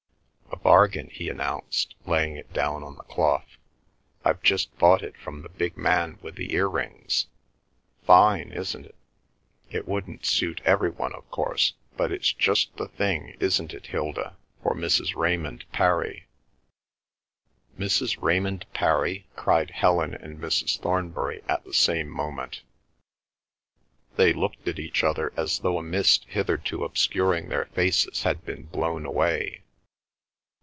"A bargain," he announced, laying it down on the cloth. "I've just bought it from the big man with the ear rings. Fine, isn't it? It wouldn't suit every one, of course, but it's just the thing—isn't it, Hilda?—for Mrs. Raymond Parry." "Mrs. Raymond Parry!" cried Helen and Mrs. Thornbury at the same moment. They looked at each other as though a mist hitherto obscuring their faces had been blown away.